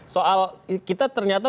soal kita ternyata